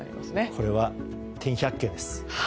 これは天百景です。